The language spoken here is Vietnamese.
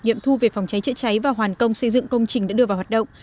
nghiệm thu về phòng cháy chữa cháy và hoàn công xây dựng công trình đã đưa vào hoạt động